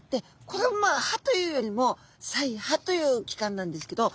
これもまあ歯というよりも鰓耙という器官なんですけど。